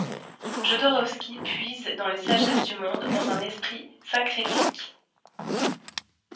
Jodorowsky puise dans les sagesses du monde dans un esprit syncrétique.